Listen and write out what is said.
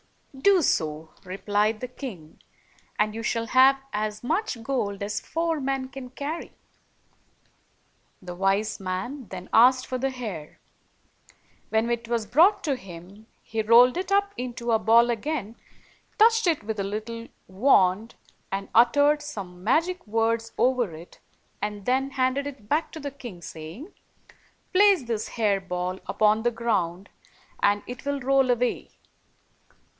"Do so," replied the king, "and you shall have as much gold as four men can carry." The wise man then asked for the hair. When it was brought to him, he .rolled it up into a ball again, touched it with a Jittle wand, and uttered some magic words over it, then handed it back to the king, saying, "Place this hair ball upon the ground, and it will roll away.